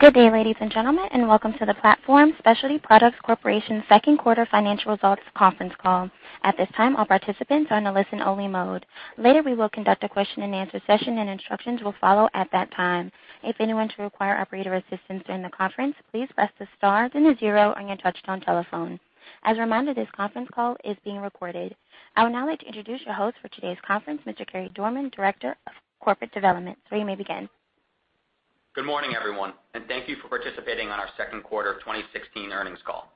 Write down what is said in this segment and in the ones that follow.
Good day, ladies and gentlemen, welcome to the Platform Specialty Products Corporation second quarter financial results conference call. At this time, all participants are on a listen-only mode. Later, we will conduct a question-and-answer session. Instructions will follow at that time. If anyone should require operator assistance during the conference, please press the star then the zero on your touchtone telephone. As a reminder, this conference call is being recorded. I would now like to introduce your host for today's conference, Mr. Carey Dorman, Director of Corporate Development. Sir, you may begin. Good morning, everyone, thank you for participating in our second quarter of 2016 earnings call.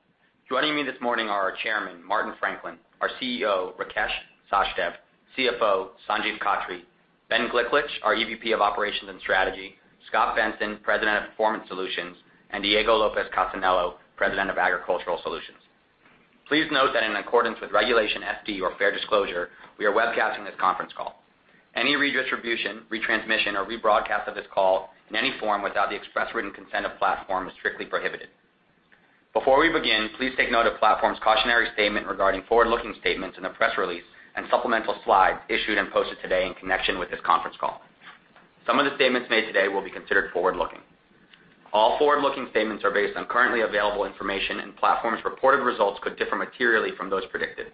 Joining me this morning are our Chairman, Martin Franklin; our CEO, Rakesh Sachdev; CFO, Sanjiv Khattri; Ben Gliklich, our EVP of Operations and Strategy; Scot Benson, President of Performance Solutions; and Diego Lopez Casanello, President of Agricultural Solutions. Please note that in accordance with Regulation FD, or fair disclosure, we are webcasting this conference call. Any redistribution, retransmission, or rebroadcast of this call in any form without the express written consent of Platform is strictly prohibited. Before we begin, please take note of Platform's cautionary statement regarding forward-looking statements in the press release and supplemental slides issued and posted today in connection with this conference call. Some of the statements made today will be considered forward-looking. All forward-looking statements are based on currently available information. Platform's reported results could differ materially from those predicted.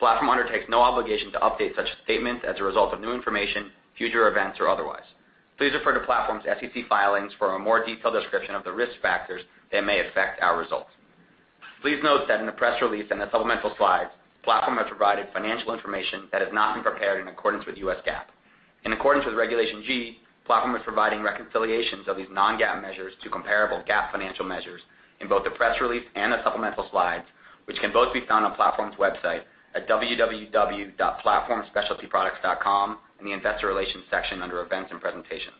Platform undertakes no obligation to update such statements as a result of new information, future events, or otherwise. Please refer to Platform's SEC filings for a more detailed description of the risk factors that may affect our results. Please note that in the press release and the supplemental slides, Platform has provided financial information that has not been prepared in accordance with US GAAP. In accordance with Regulation G, Platform is providing reconciliations of these non-GAAP measures to comparable GAAP financial measures in both the press release and the supplemental slides, which can both be found on Platform's website at www.platformspecialtyproducts.com in the investor relations section under events and presentations.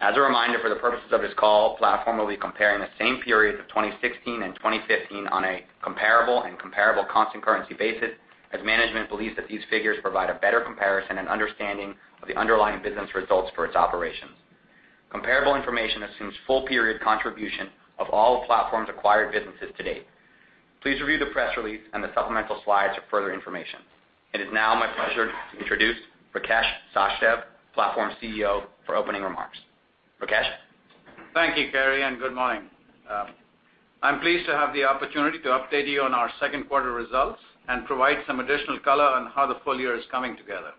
As a reminder, for the purposes of this call, Platform will be comparing the same periods of 2016 and 2015 on a comparable and comparable constant currency basis, as management believes that these figures provide a better comparison and understanding of the underlying business results for its operations. Comparable information assumes full-period contribution of all of Platform's acquired businesses to date. Please review the press release and the supplemental slides for further information. It is now my pleasure to introduce Rakesh Sachdev, Platform's CEO, for opening remarks. Rakesh? Thank you, Carey, and good morning. I am pleased to have the opportunity to update you on our second quarter results and provide some additional color on how the full year is coming together.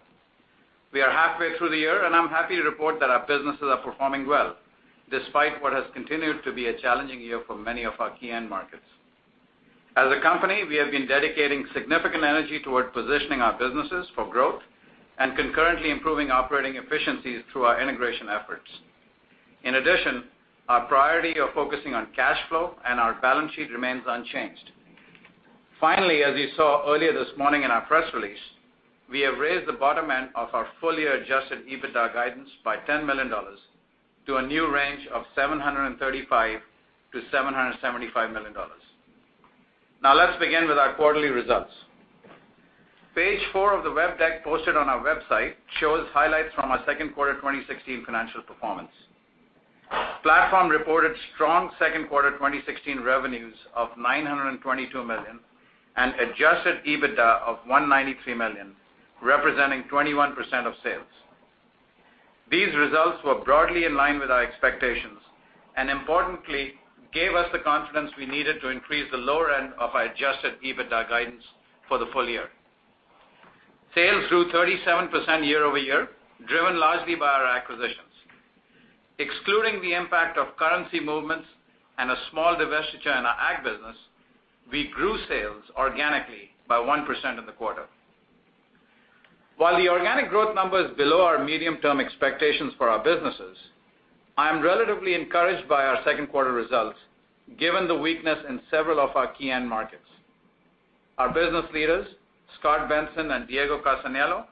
We are halfway through the year. I'm happy to report that our businesses are performing well, despite what has continued to be a challenging year for many of our key end markets. As a company, we have been dedicating significant energy toward positioning our businesses for growth and concurrently improving operating efficiencies through our integration efforts. In addition, our priority of focusing on cash flow and our balance sheet remains unchanged. Finally, as you saw earlier this morning in our press release, we have raised the bottom end of our full-year adjusted EBITDA guidance by $10 million to a new range of $735 million-$775 million. Now let's begin with our quarterly results. Page four of the web deck posted on our website shows highlights from our second quarter 2016 financial performance. Platform reported strong second quarter 2016 revenues of $922 million and adjusted EBITDA of $193 million, representing 21% of sales. These results were broadly in line with our expectations. Importantly, gave us the confidence we needed to increase the lower end of our adjusted EBITDA guidance for the full year. Sales grew 37% year-over-year, driven largely by our acquisitions. Excluding the impact of currency movements and a small divestiture in our ag business, we grew sales organically by 1% in the quarter. While the organic growth number is below our medium-term expectations for our businesses, I am relatively encouraged by our second quarter results, given the weakness in several of our key end markets. Our business leaders, Scot Benson and Diego Lopez Casanello,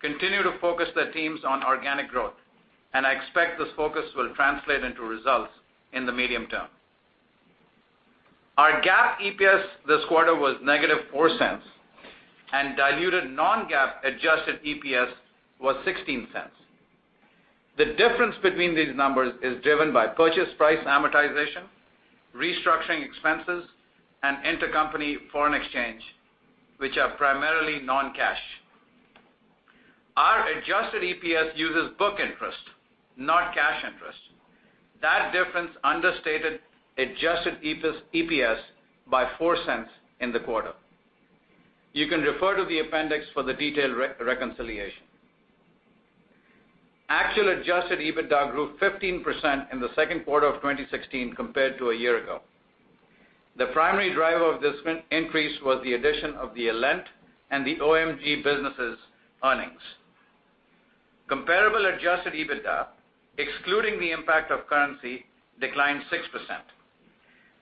continue to focus their teams on organic growth. I expect this focus will translate into results in the medium term. Our GAAP EPS this quarter was negative $0.04, and diluted non-GAAP adjusted EPS was $0.16. The difference between these numbers is driven by purchase price amortization, restructuring expenses, and intercompany foreign exchange, which are primarily non-cash. Our adjusted EPS uses book interest, not cash interest. That difference understated adjusted EPS by $0.04 in the quarter. You can refer to the appendix for the detailed reconciliation. Actual adjusted EBITDA grew 15% in the second quarter of 2016 compared to a year ago. The primary driver of this increase was the addition of the Alent and the OM Group businesses' earnings. Comparable adjusted EBITDA, excluding the impact of currency, declined 6%.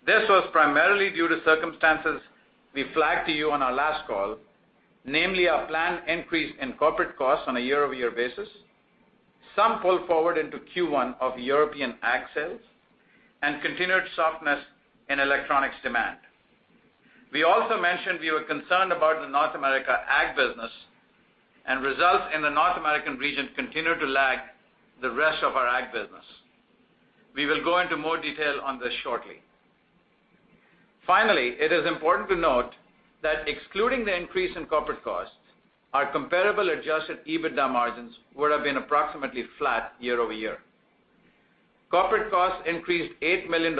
This was primarily due to circumstances we flagged to you on our last call, namely our planned increase in corporate costs on a year-over-year basis, some pull forward into Q1 of European ag sales, and continued softness in electronics demand. We also mentioned we were concerned about the North America ag business. Results in the North American region continue to lag the rest of our ag business. We will go into more detail on this shortly. Finally, it is important to note that excluding the increase in corporate costs, our comparable adjusted EBITDA margins would have been approximately flat year-over-year. Corporate costs increased $8 million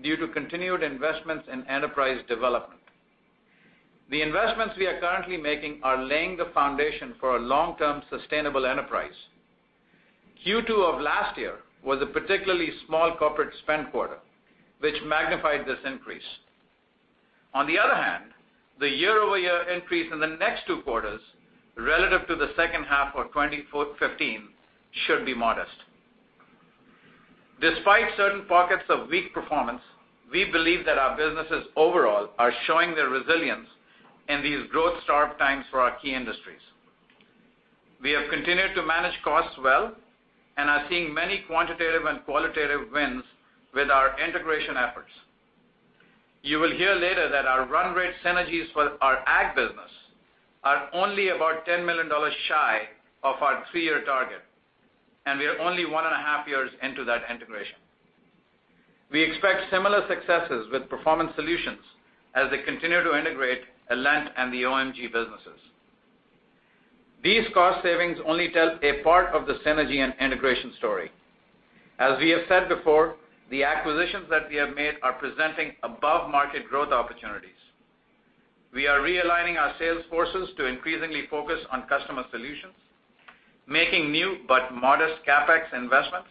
due to continued investments in enterprise development. The investments we are currently making are laying the foundation for a long-term sustainable enterprise. Q2 of last year was a particularly small corporate spend quarter, which magnified this increase. On the other hand, the year-over-year increase in the next two quarters relative to the second half of 2015 should be modest. Despite certain pockets of weak performance, we believe that our businesses overall are showing their resilience in these growth-starved times for our key industries. We have continued to manage costs well and are seeing many quantitative and qualitative wins with our integration efforts. You will hear later that our run rate synergies for our Ag business are only about $10 million shy of our three-year target, and we are only one and a half years into that integration. We expect similar successes with Performance Solutions as they continue to integrate Alent and the OMG businesses. These cost savings only tell a part of the synergy and integration story. As we have said before, the acquisitions that we have made are presenting above-market growth opportunities. We are realigning our sales forces to increasingly focus on customer solutions, making new but modest CapEx investments,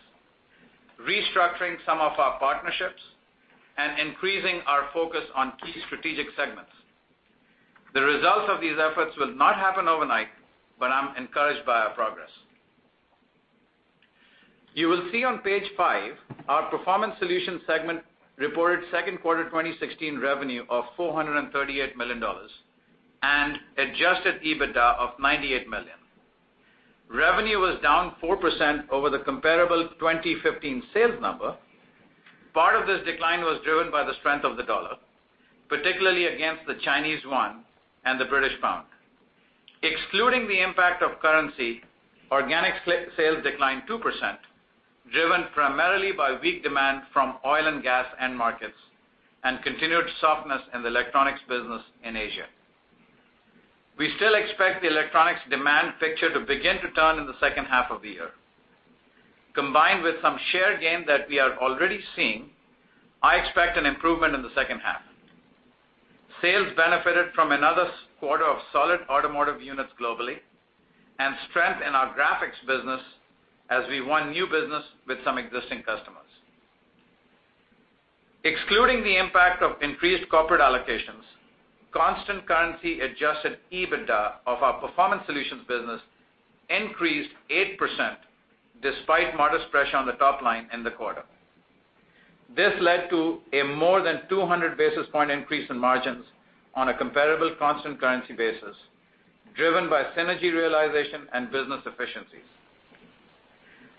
restructuring some of our partnerships, and increasing our focus on key strategic segments. The results of these efforts will not happen overnight, but I'm encouraged by our progress. You will see on page five, our Performance Solutions segment reported second quarter 2016 revenue of $438 million and adjusted EBITDA of $98 million. Revenue was down 4% over the comparable 2015 sales number. Part of this decline was driven by the strength of the dollar, particularly against the Chinese yuan and the British pound. Excluding the impact of currency, organic sales declined 2%, driven primarily by weak demand from oil and gas end markets and continued softness in the electronics business in Asia. We still expect the electronics demand picture to begin to turn in the second half of the year. Combined with some share gain that we are already seeing, I expect an improvement in the second half. Sales benefited from another quarter of solid automotive units globally and strength in our graphics business as we won new business with some existing customers. Excluding the impact of increased corporate allocations, constant currency adjusted EBITDA of our Performance Solutions business increased 8% despite modest pressure on the top line in the quarter. This led to a more than 200 basis point increase in margins on a comparable constant currency basis, driven by synergy realization and business efficiencies.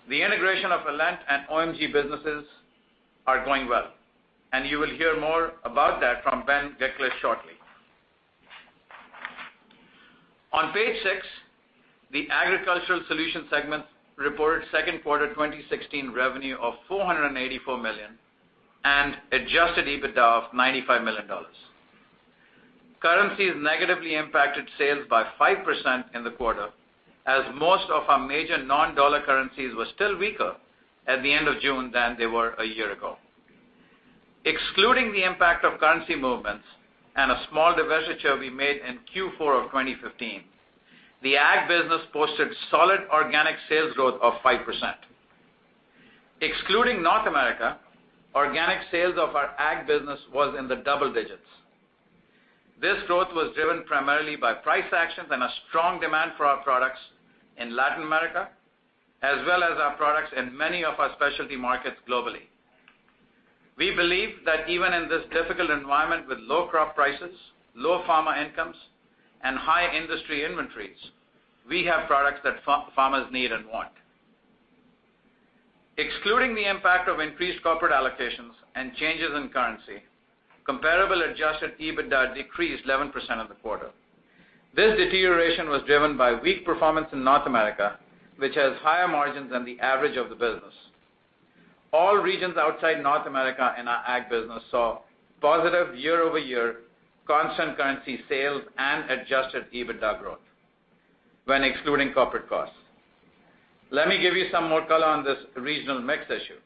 The integration of Alent and OMG businesses are going well, and you will hear more about that from Ben Gliklich shortly. On page six, the Agricultural Solutions segment reported second quarter 2016 revenue of $484 million and adjusted EBITDA of $95 million. Currencies negatively impacted sales by 5% in the quarter, as most of our major non-dollar currencies were still weaker at the end of June than they were a year ago. Excluding the impact of currency movements and a small divestiture we made in Q4 of 2015, the Ag business posted solid organic sales growth of 5%. Excluding North America, organic sales of our Ag business was in the double digits. This growth was driven primarily by price actions and a strong demand for our products in Latin America, as well as our products in many of our specialty markets globally. We believe that even in this difficult environment with low crop prices, low farmer incomes, and high industry inventories, we have products that farmers need and want. Excluding the impact of increased corporate allocations and changes in currency, comparable adjusted EBITDA decreased 11% in the quarter. This deterioration was driven by weak performance in North America, which has higher margins than the average of the business. All regions outside North America in our Ag business saw positive year-over-year constant currency sales and adjusted EBITDA growth when excluding corporate costs. Let me give you some more color on this regional mix issue.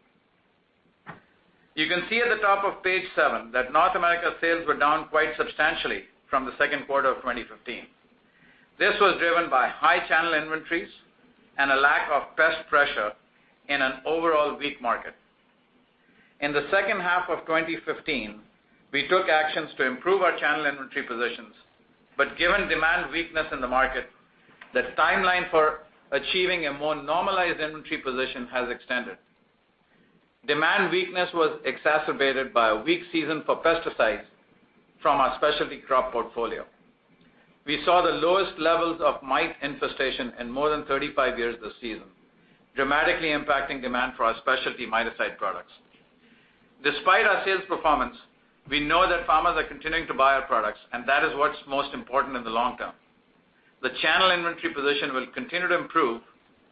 You can see at the top of page seven that North America sales were down quite substantially from the second quarter of 2015. This was driven by high channel inventories and a lack of pest pressure in an overall weak market. In the second half of 2015, we took actions to improve our channel inventory positions, but given demand weakness in the market, the timeline for achieving a more normalized inventory position has extended. Demand weakness was exacerbated by a weak season for pesticides from our specialty crop portfolio. We saw the lowest levels of mite infestation in more than 35 years this season, dramatically impacting demand for our specialty miticide products. Despite our sales performance, we know that farmers are continuing to buy our products, and that is what's most important in the long term. The channel inventory position will continue to improve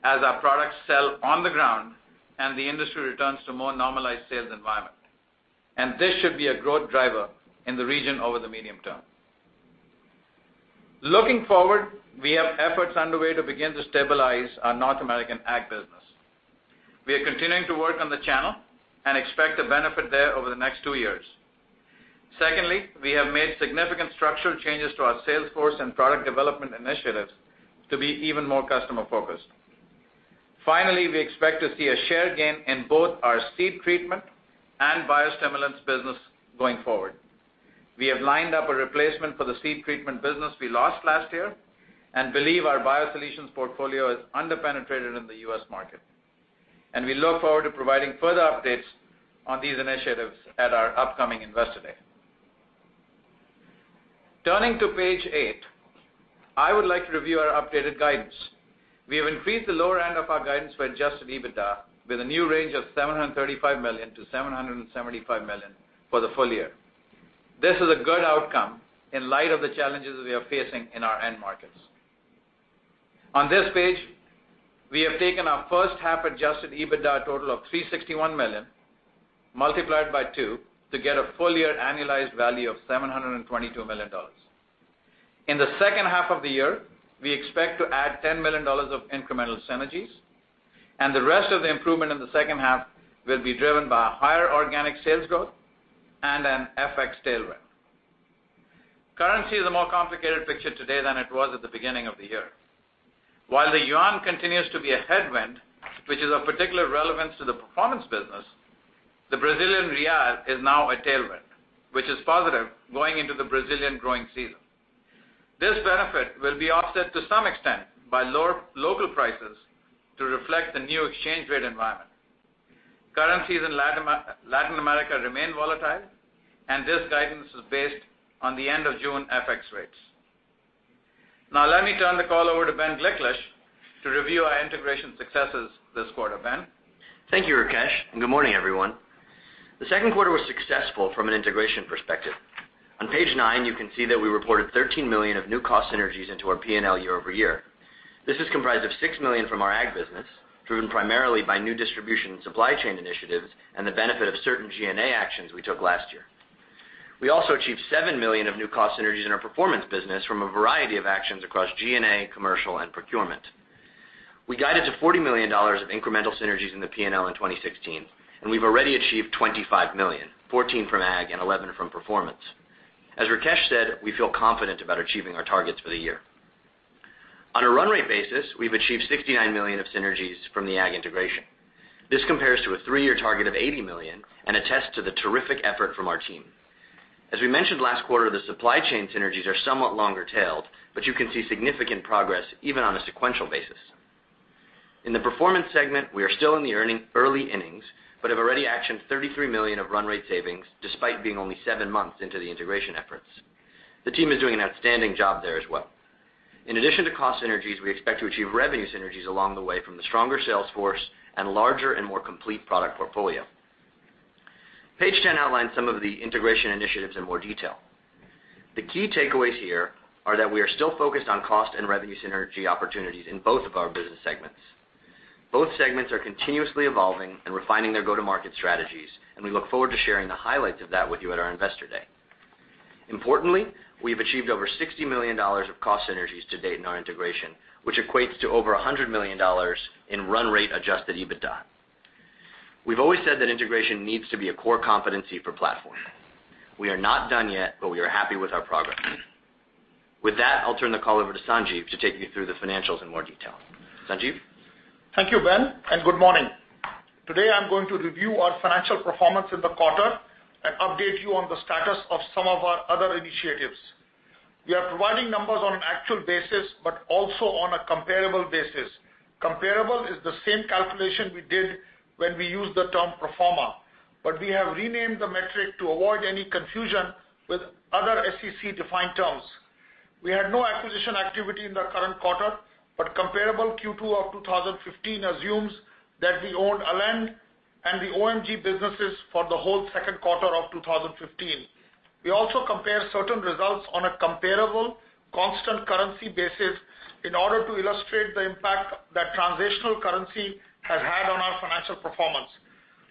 as our products sell on the ground and the industry returns to a more normalized sales environment. This should be a growth driver in the region over the medium term. Looking forward, we have efforts underway to begin to stabilize our North American Ag business. We are continuing to work on the channel and expect to benefit there over the next two years. Secondly, we have made significant structural changes to our sales force and product development initiatives to be even more customer-focused. Finally, we expect to see a share gain in both our seed treatment and biostimulants business going forward. We have lined up a replacement for the seed treatment business we lost last year and believe our BioSolutions portfolio is under-penetrated in the U.S. market. We look forward to providing further updates on these initiatives at our upcoming Investor Day. Turning to page eight, I would like to review our updated guidance. We have increased the lower end of our guidance for adjusted EBITDA with a new range of $735 million-$775 million for the full year. This is a good outcome in light of the challenges we are facing in our end markets. On this page, we have taken our first half adjusted EBITDA total of $361 million, multiplied by two to get a full-year annualized value of $722 million. In the second half of the year, we expect to add $10 million of incremental synergies, and the rest of the improvement in the second half will be driven by higher organic sales growth and an FX tailwind. Currency is a more complicated picture today than it was at the beginning of the year. While the yuan continues to be a headwind, which is of particular relevance to the performance business, the Brazilian real is now a tailwind, which is positive going into the Brazilian growing season. This benefit will be offset to some extent by local prices to reflect the new exchange rate environment. Currencies in Latin America remain volatile, and this guidance is based on the end of June FX rates. Now let me turn the call over to Ben Gliklich to review our integration successes this quarter. Ben? Thank you, Rakesh, and good morning, everyone. The second quarter was successful from an integration perspective. On page nine, you can see that we reported $13 million of new cost synergies into our P&L year-over-year. This is comprised of $6 million from our ag business, driven primarily by new distribution and supply chain initiatives and the benefit of certain G&A actions we took last year. We also achieved $7 million of new cost synergies in our performance business from a variety of actions across G&A, commercial, and procurement. We guided to $40 million of incremental synergies in the P&L in 2016, and we've already achieved $25 million, $14 million from ag and $11 million from performance. As Rakesh said, we feel confident about achieving our targets for the year. On a run rate basis, we've achieved $69 million of synergies from the ag integration. This compares to a three-year target of $80 million and attests to the terrific effort from our team. As we mentioned last quarter, the supply chain synergies are somewhat longer-tailed, but you can see significant progress even on a sequential basis. In the performance segment, we are still in the early innings but have already actioned $33 million of run rate savings despite being only seven months into the integration efforts. The team is doing an outstanding job there as well. In addition to cost synergies, we expect to achieve revenue synergies along the way from the stronger sales force and larger and more complete product portfolio. Page 10 outlines some of the integration initiatives in more detail. The key takeaways here are that we are still focused on cost and revenue synergy opportunities in both of our business segments. Both segments are continuously evolving and refining their go-to-market strategies. We look forward to sharing the highlights of that with you at our Investor Day. Importantly, we've achieved over $60 million of cost synergies to date in our integration, which equates to over $100 million in run rate adjusted EBITDA. We've always said that integration needs to be a core competency for Platform. We are not done yet, but we are happy with our progress. With that, I'll turn the call over to Sanjiv to take you through the financials in more detail. Sanjiv? Thank you, Ben. Good morning. Today, I'm going to review our financial performance in the quarter and update you on the status of some of our other initiatives. We are providing numbers on an actual basis but also on a comparable basis. Comparable is the same calculation we did when we used the term pro forma, but we have renamed the metric to avoid any confusion with other SEC-defined terms. We had no acquisition activity in the current quarter, but comparable Q2 of 2015 assumes that we owned Alent and the OM Group businesses for the whole second quarter of 2015. We also compare certain results on a comparable, constant currency basis in order to illustrate the impact that transitional currency has had on our financial performance.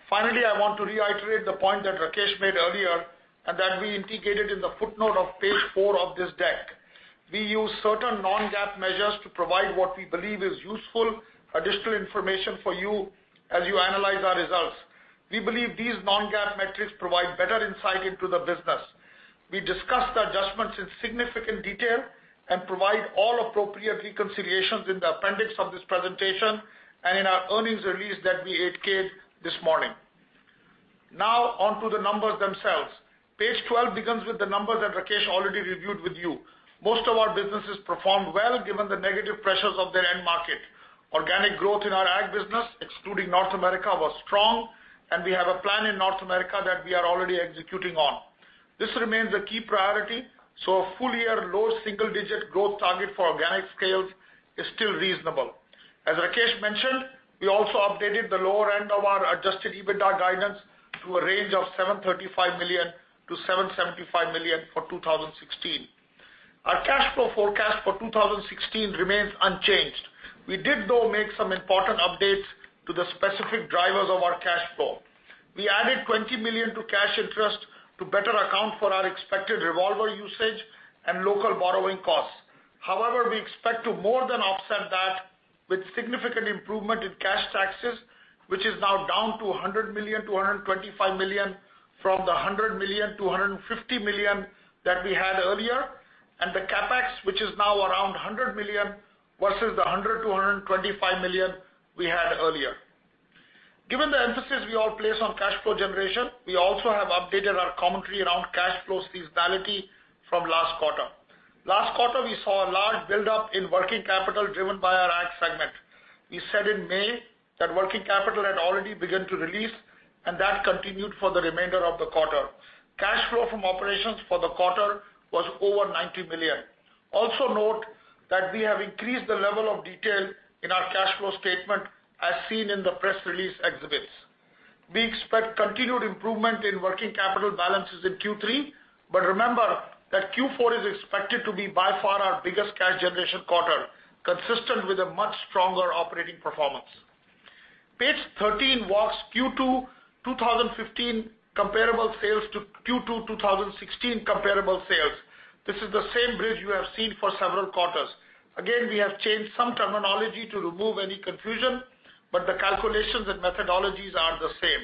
Finally, I want to reiterate the point that Rakesh made earlier and that we indicated in the footnote of page four of this deck. We use certain non-GAAP measures to provide what we believe is useful additional information for you as you analyze our results. We believe these non-GAAP metrics provide better insight into the business. We discuss the adjustments in significant detail and provide all appropriate reconciliations in the appendix of this presentation and in our earnings release that we 8-K'd this morning. Now on to the numbers themselves. Page 12 begins with the numbers that Rakesh already reviewed with you. Most of our businesses performed well given the negative pressures of their end market. Organic growth in our ag business, excluding North America, was strong, and we have a plan in North America that we are already executing on. This remains a key priority. A full-year low single-digit growth target for organic sales is still reasonable. As Rakesh mentioned, we also updated the lower end of our adjusted EBITDA guidance to a range of $735 million-$775 million for 2016. Our cash flow forecast for 2016 remains unchanged. We did, though, make some important updates to the specific drivers of our cash flow. We added $20 million to cash interest to better account for our expected revolver usage and local borrowing costs. However, we expect to more than offset that with significant improvement in cash taxes, which is now down to $100 million-$125 million from the $100 million-$150 million that we had earlier, and the CapEx, which is now around $100 million versus the $100 million-$125 million we had earlier. Given the emphasis we all place on cash flow generation, we also have updated our commentary around cash flow seasonality from last quarter. Last quarter, we saw a large buildup in working capital driven by our ag segment. We said in May that working capital had already begun to release, and that continued for the remainder of the quarter. Cash flow from operations for the quarter was over $90 million. Also note that we have increased the level of detail in our cash flow statement as seen in the press release exhibits. We expect continued improvement in working capital balances in Q3. Remember that Q4 is expected to be by far our biggest cash generation quarter, consistent with a much stronger operating performance. Page 13 walks Q2 2015 comparable sales to Q2 2016 comparable sales. This is the same bridge you have seen for several quarters. Again, we have changed some terminology to remove any confusion, but the calculations and methodologies are the same.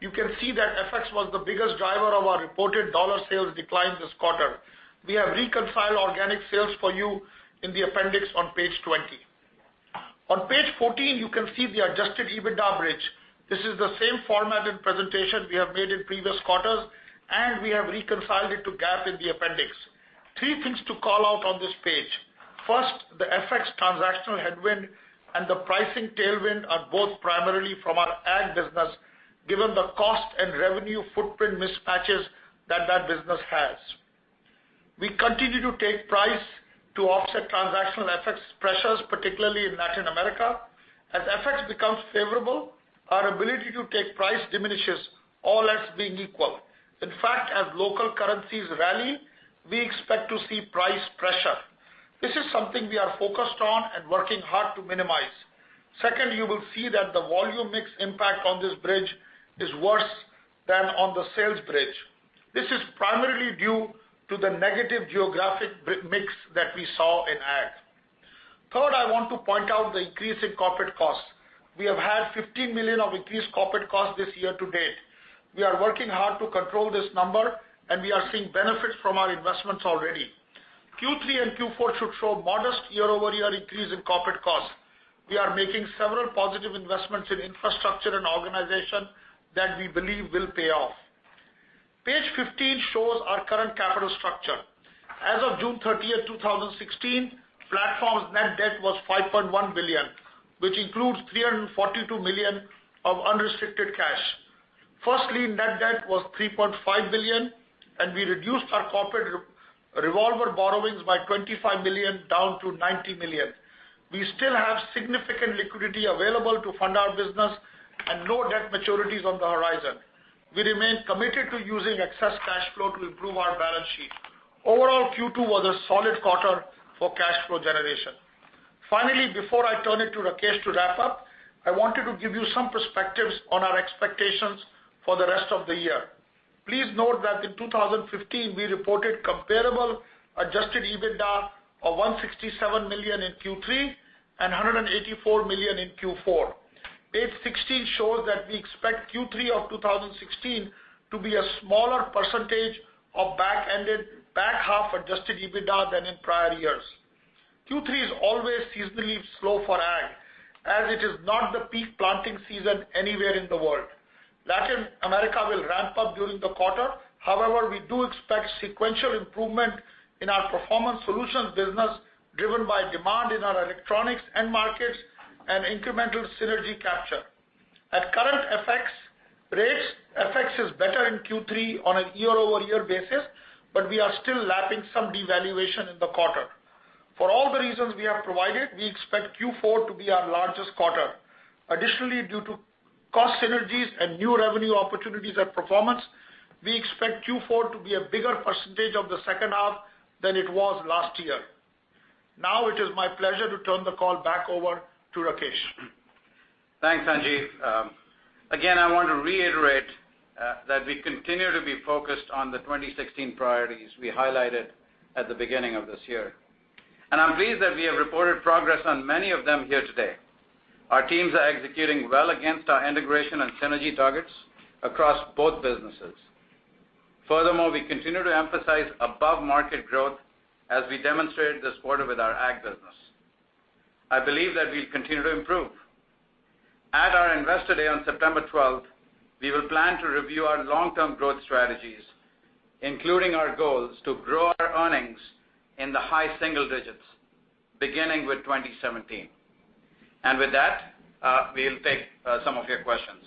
You can see that FX was the biggest driver of our reported dollar sales decline this quarter. We have reconciled organic sales for you in the appendix on page 20. On page 14, you can see the adjusted EBITDA bridge. This is the same format and presentation we have made in previous quarters, and we have reconciled it to GAAP in the appendix. Three things to call out on this page. First, the FX transactional headwind and the pricing tailwind are both primarily from our ag business, given the cost and revenue footprint mismatches that that business has. We continue to take price to offset transactional FX pressures, particularly in Latin America. As FX becomes favorable, our ability to take price diminishes, all else being equal. In fact, as local currencies rally, we expect to see price pressure. This is something we are focused on and working hard to minimize. Second, you will see that the volume mix impact on this bridge is worse than on the sales bridge. This is primarily due to the negative geographic mix that we saw in ag. Third, I want to point out the increase in corporate costs. We have had $15 million of increased corporate costs this year to date. We are working hard to control this number, and we are seeing benefits from our investments already. Q3 and Q4 should show modest year-over-year increase in corporate costs. We are making several positive investments in infrastructure and organization that we believe will pay off. Page 15 shows our current capital structure. As of June 30th, 2016, Platform's net debt was $5.1 billion, which includes $342 million of unrestricted cash. Firstly, net debt was $3.5 billion, and we reduced our corporate revolver borrowings by $25 million, down to $90 million. We still have significant liquidity available to fund our business and no debt maturities on the horizon. We remain committed to using excess cash flow to improve our balance sheet. Overall, Q2 was a solid quarter for cash flow generation. Finally, before I turn it to Rakesh to wrap up, I wanted to give you some perspectives on our expectations for the rest of the year. Please note that in 2015, we reported comparable adjusted EBITDA of $167 million in Q3 and $184 million in Q4. Page 16 shows that we expect Q3 of 2016 to be a smaller percentage of back-ended back-half adjusted EBITDA than in prior years. Q3 is always seasonally slow for ag, as it is not the peak planting season anywhere in the world. Latin America will ramp up during the quarter. We do expect sequential improvement in our Performance Solutions business, driven by demand in our electronics end markets and incremental synergy capture. At current FX rates, FX is better in Q3 on a year-over-year basis, but we are still lapping some devaluation in the quarter. For all the reasons we have provided, we expect Q4 to be our largest quarter. Additionally, due to cost synergies and new revenue opportunities at Performance, we expect Q4 to be a bigger percentage of the second half than it was last year. It is my pleasure to turn the call back over to Rakesh. Thanks, Sanjiv. Again, I want to reiterate that we continue to be focused on the 2016 priorities we highlighted at the beginning of this year. I'm pleased that we have reported progress on many of them here today. Our teams are executing well against our integration and synergy targets across both businesses. Furthermore, we continue to emphasize above-market growth as we demonstrated this quarter with our ag business. I believe that we'll continue to improve. At our Investor Day on September 12th, we will plan to review our long-term growth strategies, including our goals to grow our earnings in the high single digits, beginning with 2017. With that, we'll take some of your questions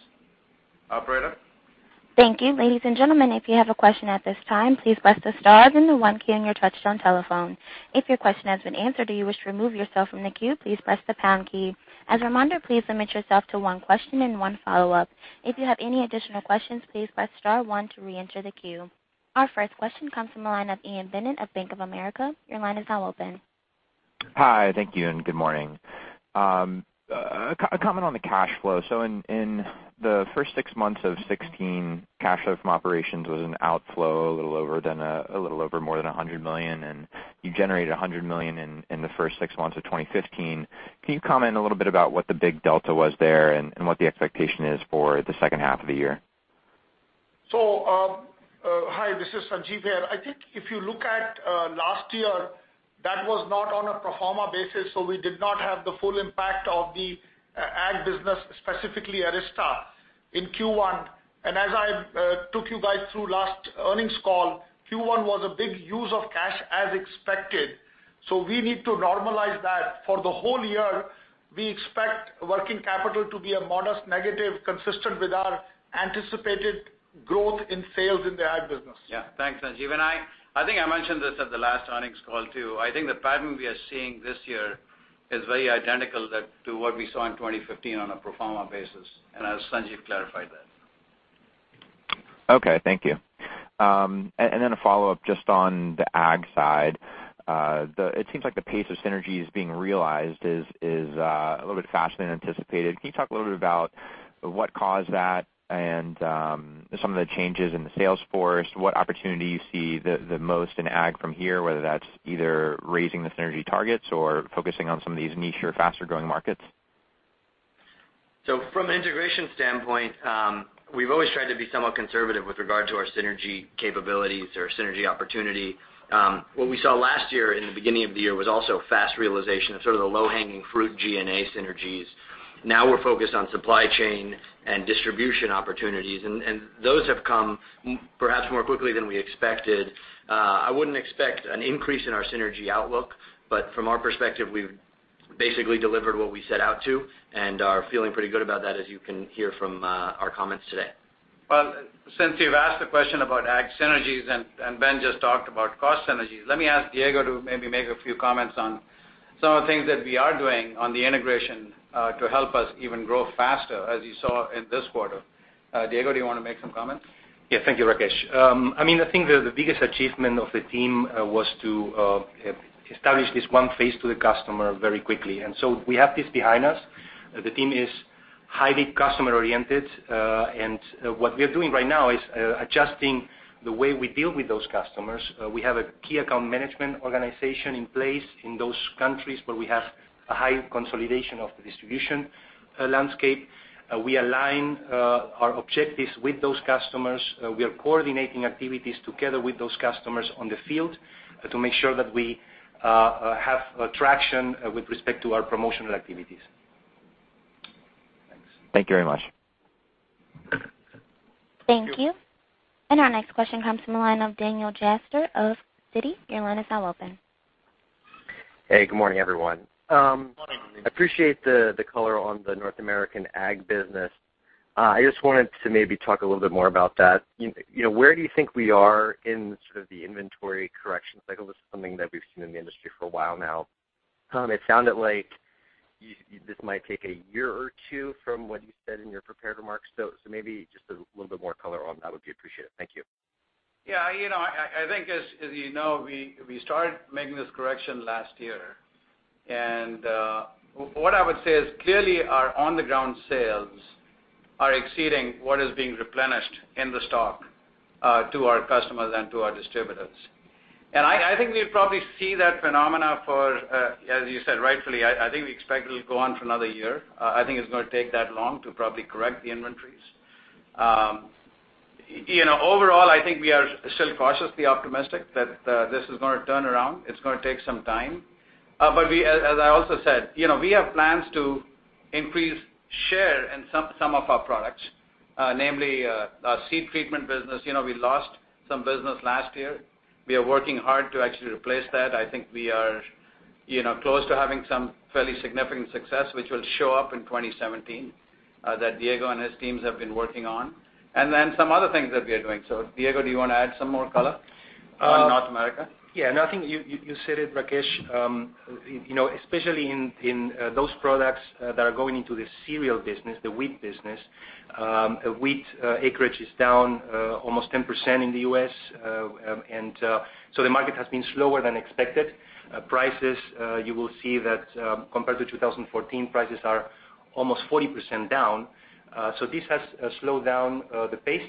Thank you. Ladies and gentlemen, if you have a question at this time, please press the star then the one key on your touch-tone telephone. If your question has been answered or you wish to remove yourself from the queue, please press the pound key. As a reminder, please limit yourself to one question and one follow-up. If you have any additional questions, please press star one to reenter the queue. Our first question comes from the line of Ian Bennett of Bank of America. Your line is now open. Hi, thank you, good morning. A comment on the cash flow. In the first six months of 2016, cash flow from operations was an outflow a little over more than $100 million. You generated $100 million in the first six months of 2015. Can you comment a little bit about what the big delta was there and what the expectation is for the second half of the year? Hi, this is Sanjiv here. I think if you look at last year, that was not on a pro forma basis. We did not have the full impact of the ag business, specifically Arysta, in Q1. As I took you guys through last earnings call, Q1 was a big use of cash as expected. We need to normalize that. For the whole year, we expect working capital to be a modest negative, consistent with our anticipated growth in sales in the ag business. Yeah. Thanks, Sanjiv. I think I mentioned this at the last earnings call, too. I think the pattern we are seeing this year is very identical to what we saw in 2015 on a pro forma basis, as Sanjiv clarified that. Okay. Thank you. Then a follow-up just on the ag side. It seems like the pace of synergies being realized is a little bit faster than anticipated. Can you talk a little bit about what caused that and some of the changes in the sales force? What opportunity you see the most in ag from here, whether that's either raising the synergy targets or focusing on some of these niche or faster-growing markets? From an integration standpoint, we've always tried to be somewhat conservative with regard to our synergy capabilities or synergy opportunity. What we saw last year in the beginning of the year was also fast realization of sort of the low-hanging fruit G&A synergies. Now we're focused on supply chain and distribution opportunities, those have come perhaps more quickly than we expected. I wouldn't expect an increase in our synergy outlook, from our perspective, we've basically delivered what we set out to and are feeling pretty good about that, as you can hear from our comments today. Well, since you've asked the question about ag synergies, Ben just talked about cost synergies, let me ask Diego to maybe make a few comments on some of the things that we are doing on the integration to help us even grow faster, as you saw in this quarter. Diego, do you want to make some comments? Yeah. Thank you, Rakesh. I think the biggest achievement of the team was to establish this one face to the customer very quickly. So we have this behind us. The team is highly customer-oriented. What we are doing right now is adjusting the way we deal with those customers. We have a key account management organization in place in those countries where we have a high consolidation of the distribution landscape. We align our objectives with those customers. We are coordinating activities together with those customers on the field to make sure that we have traction with respect to our promotional activities. Thanks. Thank you very much. Thank you. Our next question comes from the line of Daniel Jester of Citi. Your line is now open. Hey, good morning, everyone. Morning. Appreciate the color on the North American ag business. I just wanted to maybe talk a little bit more about that. Where do you think we are in sort of the inventory correction cycle? This is something that we've seen in the industry for a while now. It sounded like this might take a year or two, from what you said in your prepared remarks. Maybe just a little bit more color on that would be appreciated. Thank you. Yeah. I think as you know, we started making this correction last year. What I would say is clearly our on-the-ground sales are exceeding what is being replenished in the stock to our customers and to our distributors. I think we'll probably see that phenomena for, as you said, rightfully, I think we expect it'll go on for another year. I think it's going to take that long to probably correct the inventories. Overall, I think we are still cautiously optimistic that this is going to turn around. It's going to take some time. As I also said, we have plans to increase share in some of our products, namely our seed treatment business. We lost some business last year. We are working hard to actually replace that. I think we are close to having some fairly significant success, which will show up in 2017, that Diego and his teams have been working on. Then some other things that we are doing. Diego, do you want to add some more color on North America? Yeah, no, I think you said it, Rakesh. Especially in those products that are going into the cereal business, the wheat business. Wheat acreage is down almost 10% in the U.S. The market has been slower than expected. Prices, you will see that compared to 2014, prices are almost 40% down. This has slowed down the pace.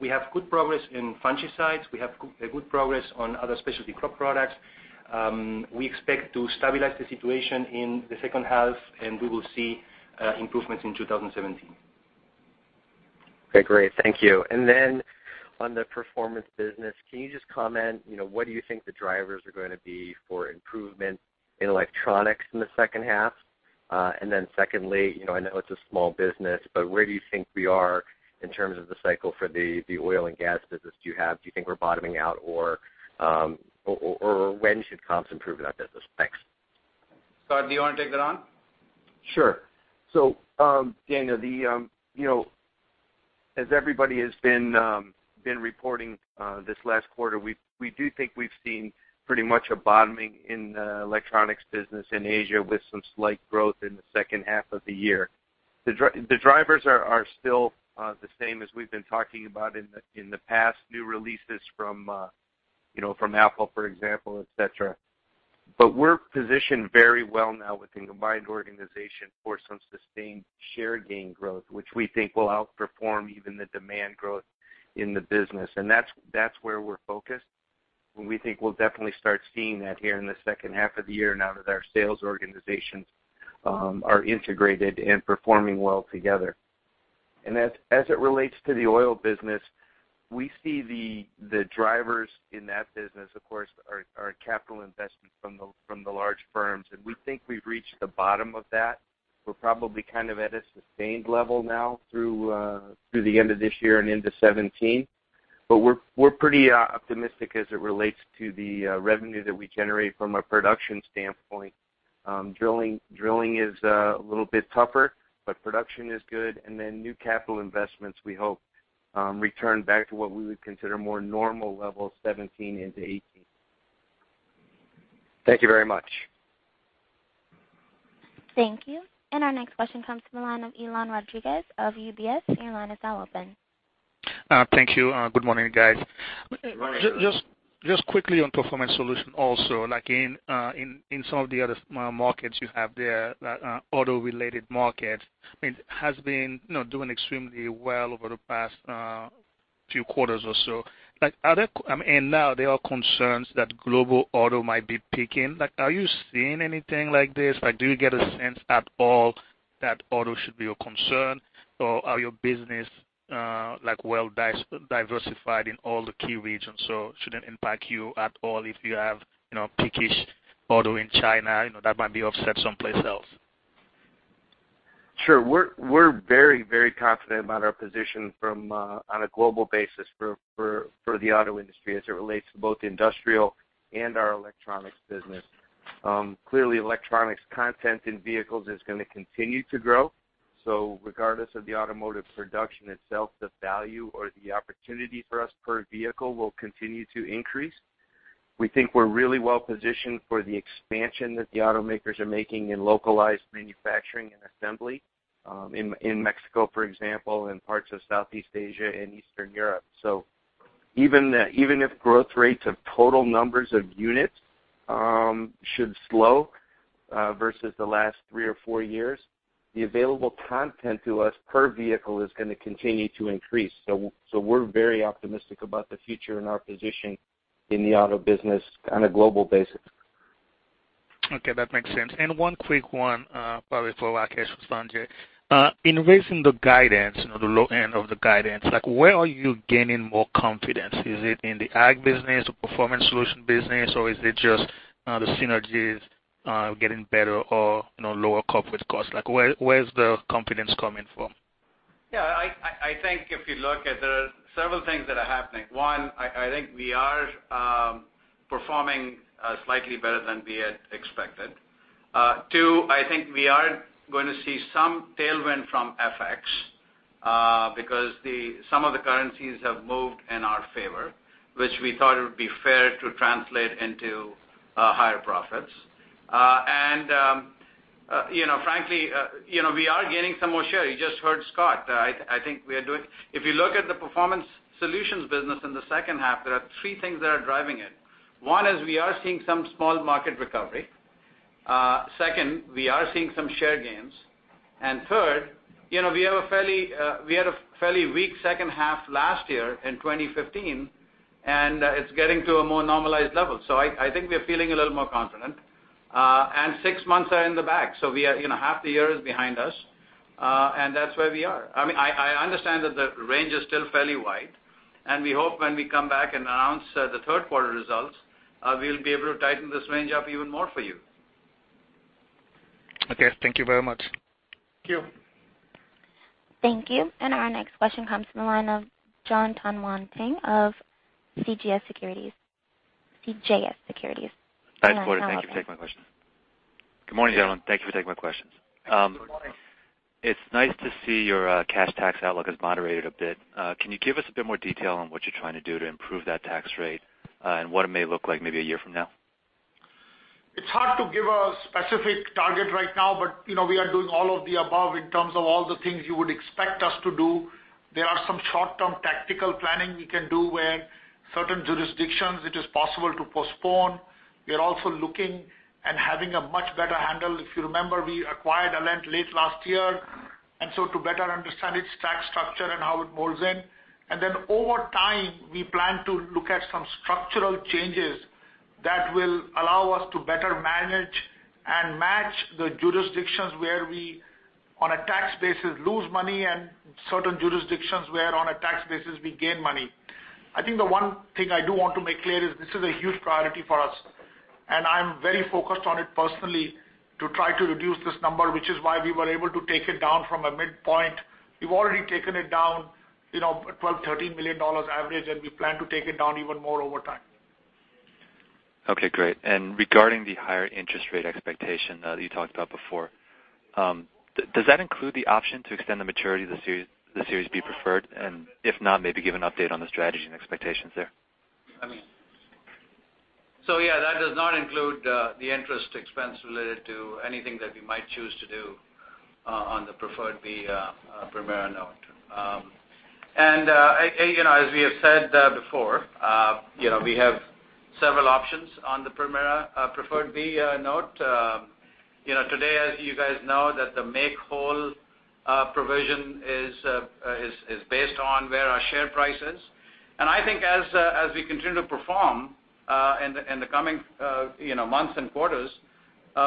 We have good progress in fungicides. We have good progress on other specialty crop products. We expect to stabilize the situation in the second half. We will see improvements in 2017. Okay, great. Thank you. On the Performance Solutions business, can you just comment, what do you think the drivers are going to be for improvement in electronics in the second half? Secondly, I know it's a small business, but where do you think we are in terms of the cycle for the oil and gas business that you have? Do you think we're bottoming out, or when should comps improve in that business? Thanks. Scot, do you want to take that on? Sure. Daniel, as everybody has been reporting this last quarter, we do think we've seen pretty much a bottoming in the electronics business in Asia with some slight growth in the second half of the year. The drivers are still the same as we've been talking about in the past, new releases from Apple, for example, et cetera. We're positioned very well now with the combined organization for some sustained share gain growth, which we think will outperform even the demand growth in the business. That's where we're focused, and we think we'll definitely start seeing that here in the second half of the year now that our sales organizations are integrated and performing well together. As it relates to the oil business, we see the drivers in that business, of course, are capital investments from the large firms. We think we've reached the bottom of that. We're probably at a sustained level now through the end of this year and into 2017. We're pretty optimistic as it relates to the revenue that we generate from a production standpoint. Drilling is a little bit tougher, but production is good. New capital investments we hope return back to what we would consider more normal levels 2017 into 2018. Thank you very much. Thank you. Our next question comes from the line of Edlain Rodriguez of UBS. Your line is now open. Thank you. Good morning, guys. Good morning. Just quickly on Performance Solutions also, like in some of the other markets you have there, auto-related market, it has been doing extremely well over the past few quarters or so. Now there are concerns that global auto might be peaking. Are you seeing anything like this? Do you get a sense at all that auto should be a concern? Are your business well diversified in all the key regions, so shouldn't impact you at all if you have peak-ish auto in China that might be offset someplace else? Sure. We're very confident about our position on a global basis for the auto industry as it relates to both industrial and our electronics business. Clearly, electronics content in vehicles is going to continue to grow. Regardless of the automotive production itself, the value or the opportunity for us per vehicle will continue to increase. We think we're really well-positioned for the expansion that the automakers are making in localized manufacturing and assembly, in Mexico, for example, in parts of Southeast Asia and Eastern Europe. Even if growth rates of total numbers of units should slow versus the last three or four years, the available content to us per vehicle is going to continue to increase. We're very optimistic about the future and our position in the auto business on a global basis. Okay, that makes sense. One quick one, probably for Rakesh or Sanjiv. In raising the guidance, the low end of the guidance, where are you gaining more confidence? Is it in the ag business or Performance Solutions business, or is it just the synergies getting better or lower corporate costs? Where's the confidence coming from? I think if you look at the several things that are happening. One, I think we are performing slightly better than we had expected. Two, I think we are going to see some tailwind from FX, because some of the currencies have moved in our favor, which we thought it would be fair to translate into higher profits. Frankly, we are gaining some more share. You just heard Scot. If you look at the Performance Solutions business in the second half, there are three things that are driving it. One is we are seeing some small market recovery. Second, we are seeing some share gains. Third, we had a fairly weak second half last year in 2015, and it's getting to a more normalized level. I think we are feeling a little more confident. Six months are in the bag, so half the year is behind us. That's where we are. I understand that the range is still fairly wide, and we hope when we come back and announce the third quarter results, we will be able to tighten this range up even more for you. Okay. Thank you very much. Thank you. Thank you. Our next question comes from the line of Jonathan Tanwanteng of CJS Securities. Your line is now open. Thanks for taking my question. Good morning, everyone. Thank you for taking my questions. Good morning. It's nice to see your cash tax outlook has moderated a bit. Can you give us a bit more detail on what you're trying to do to improve that tax rate, and what it may look like maybe a year from now? It's hard to give a specific target right now, but we are doing all of the above in terms of all the things you would expect us to do. There are some short-term tactical planning we can do where certain jurisdictions it is possible to postpone. We are also looking and having a much better handle. If you remember, we acquired Alent late last year, and so to better understand its tax structure and how it molds in. Over time, we plan to look at some structural changes that will allow us to better manage and match the jurisdictions where we, on a tax basis, lose money and certain jurisdictions where on a tax basis, we gain money. I think the one thing I do want to make clear is this is a huge priority for us, I'm very focused on it personally to try to reduce this number, which is why we were able to take it down from a midpoint. We've already taken it down $12, $13 million average, we plan to take it down even more over time. Okay, great. Regarding the higher interest rate expectation that you talked about before, does that include the option to extend the maturity of the Series B preferred? If not, maybe give an update on the strategy and expectations there. Yeah, that does not include the interest expense related to anything that we might choose to do on the Preferred B Permira note. As we have said before, we have several options on the Permira Preferred B note. Today, as you guys know, that the make whole provision is based on where our share price is. I think as we continue to perform in the coming months and quarters,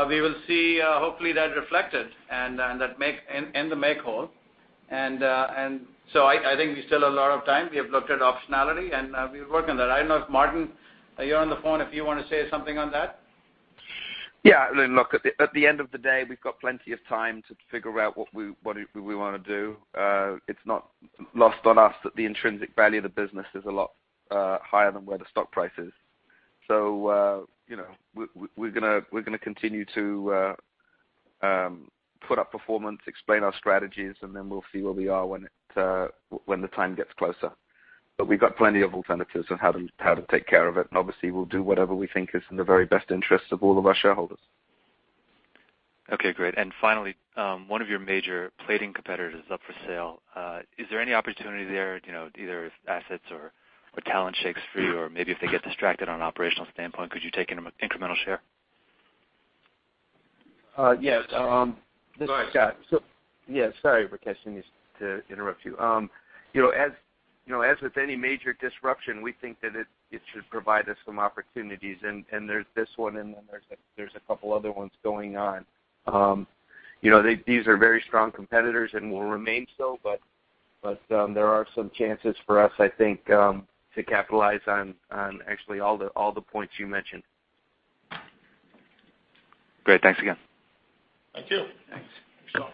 we will see, hopefully, that reflected in the make whole. I think there's still a lot of time. We have looked at optionality, and we work on that. I don't know if, Martin, are you on the phone, if you want to say something on that? Yeah, look, at the end of the day, we've got plenty of time to figure out what we want to do. It's not lost on us that the intrinsic value of the business is a lot higher than where the stock price is. We're going to continue to put up performance, explain our strategies, we'll see where we are when the time gets closer. We've got plenty of alternatives on how to take care of it. Obviously, we'll do whatever we think is in the very best interest of all of our shareholders. Okay, great. Finally, one of your major plating competitors is up for sale. Is there any opportunity there, either if assets or talent shakes free, or maybe if they get distracted on an operational standpoint, could you take incremental share? Yes. Go ahead. This is Scot. Yeah, sorry, Rakesh, I didn't mean to interrupt you. As with any major disruption, we think that it should provide us some opportunities. There's this one, and then there's a couple other ones going on. These are very strong competitors and will remain so, there are some chances for us, I think, to capitalize on actually all the points you mentioned. Great. Thanks again. Thank you. Thanks. Sure.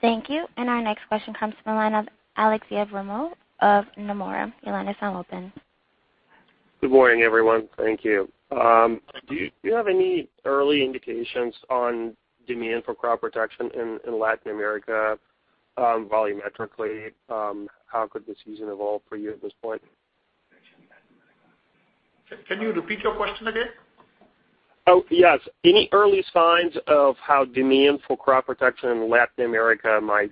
Thank you. Our next question comes from the line of Aleksey Yefremov of Nomura. Your line is now open. Good morning, everyone. Thank you. Do you have any early indications on demand for crop protection in Latin America? Volumetrically, how could the season evolve for you at this point? Can you repeat your question again? Oh, yes. Any early signs of how demand for crop protection in Latin America might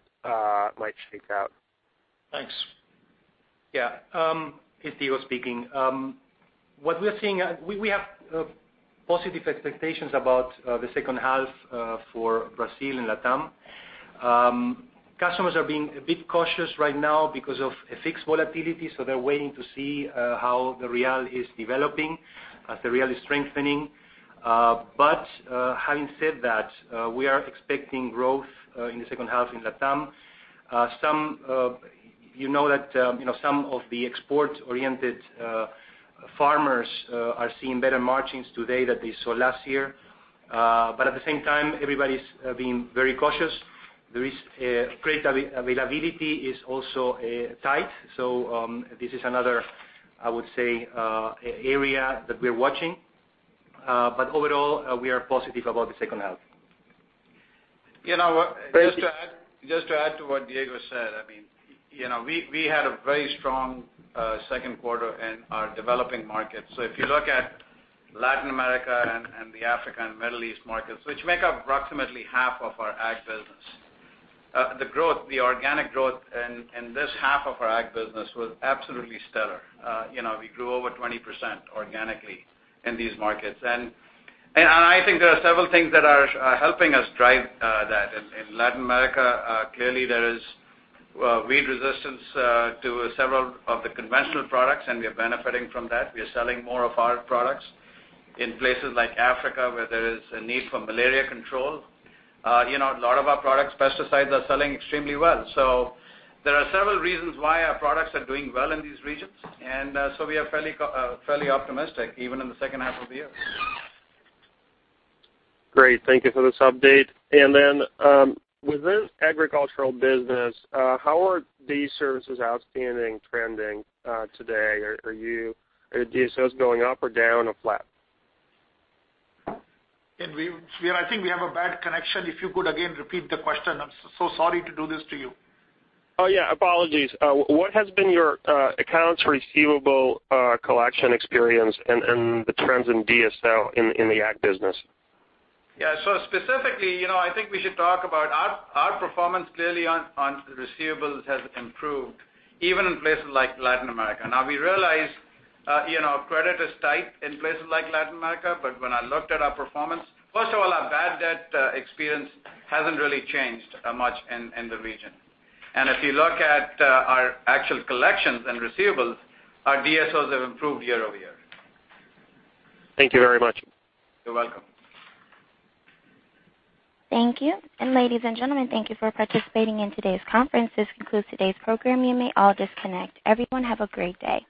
shake out? Thanks. Yeah. It's Diego speaking. What we are seeing, we have positive expectations about the second half for Brazil and Latam. Customers are being a bit cautious right now because of FX volatility, so they're waiting to see how the Real is developing as the Real is strengthening. Having said that, we are expecting growth in the second half in Latam. You know that some of the export-oriented farmers are seeing better margins today that they saw last year. At the same time, everybody's being very cautious. Credit availability is also tight. This is another, I would say, area that we're watching. Overall, we are positive about the second half. Just to add to what Diego said, we had a very strong second quarter in our developing markets. If you look at Latin America and the Africa and Middle East markets, which make up approximately half of our ag business, the organic growth in this half of our ag business was absolutely stellar. We grew over 20% organically in these markets. I think there are several things that are helping us drive that. In Latin America, clearly there is weed resistance to several of the conventional products, and we are benefiting from that. We are selling more of our products. In places like Africa, where there is a need for malaria control, a lot of our product pesticides are selling extremely well. There are several reasons why our products are doing well in these regions. We are fairly optimistic even in the second half of the year. Great. Thank you for this update. Within Agricultural Solutions, how are these accounts receivable trending today? Are DSOs going up or down or flat? I think we have a bad connection. If you could again repeat the question. I'm so sorry to do this to you. Apologies. What has been your accounts receivable collection experience and the trends in DSO in Agricultural Solutions? Specifically, I think we should talk about our performance clearly on receivables has improved, even in places like Latin America. We realize credit is tight in places like Latin America. When I looked at our performance, first of all, our bad debt experience hasn't really changed much in the region. If you look at our actual collections and receivables, our DSOs have improved year-over-year. Thank you very much. You're welcome. Thank you. Ladies and gentlemen, thank you for participating in today's conference. This concludes today's program. You may all disconnect. Everyone have a great day.